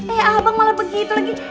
eh ah bang malah begitu lagi